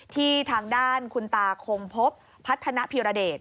ทางด้านคุณตาคงพบพัฒนภิรเดช